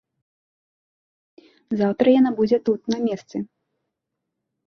Заўтра яна будзе тут, на месцы.